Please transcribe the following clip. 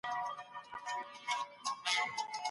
له ناامېدۍ ډک نه سو